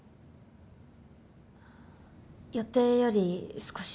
予定より少し。